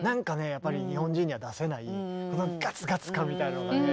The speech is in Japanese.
やっぱり日本人には出せないガツガツ感みたいなのがね